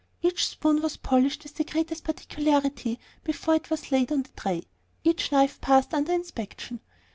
Each spoon was polished with the greatest particularity before it was laid on the tray; each knife passed under inspection.